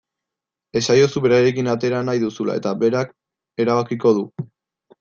Esaiozu berarekin atera nahi duzula eta berak erabakiko du.